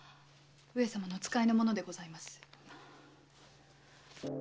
上様の使いの者でございます。